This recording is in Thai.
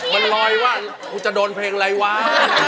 มันลอยว่ากูจะโดนเพลงอะไรวะ